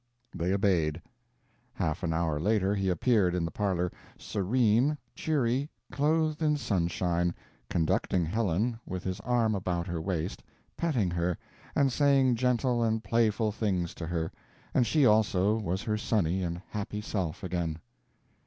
They obeyed. Half an hour later he appeared in the parlor, serene, cheery, clothed in sunshine, conducting Helen, with his arm about her waist, petting her, and saying gentle and playful things to her; and she also was her sunny and happy self again.